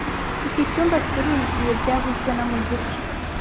Iki cyumba kiruzuye byavuzwe na mugisha